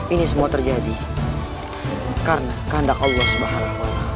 ini semua terjadi karena kehendak allah swt